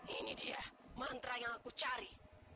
ini dia mantra yang aku cari